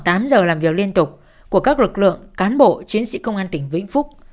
trong tám giờ làm việc liên tục của các lực lượng cán bộ chiến sĩ công an tỉnh vĩnh phúc